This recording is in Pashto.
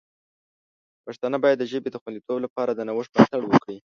پښتانه باید د ژبې د خوندیتوب لپاره د نوښت ملاتړ وکړي.